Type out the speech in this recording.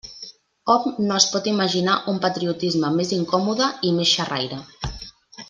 Hom no es pot imaginar un patriotisme més incòmode i més xerraire.